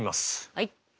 はい。